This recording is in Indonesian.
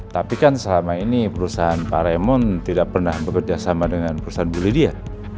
tapi kan selama ini perusahaan pak raymond tidak pernah bekerja sama dengan perusahaan bu lydia